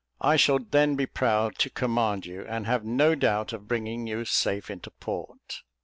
I shall then be proud to command you, and have no doubt of bringing you safe into port."